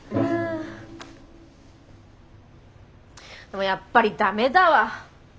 でもやっぱりダメだわ。